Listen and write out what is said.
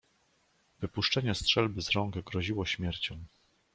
"Wypuszczenie strzelby z rąk groziło śmiercią."